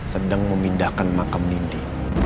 sedang memindahkan makam nindi